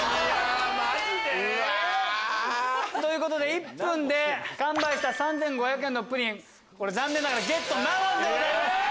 １分で完売した３５００円のプリン残念ながらゲットならずでございます。